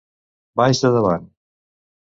Baix de davant.